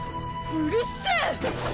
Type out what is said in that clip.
うるせぇ！